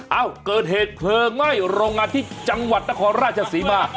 เอ้าเกิดเหตุเพลิงไหม้โรงงานที่จังหวัดนครราชศรีมา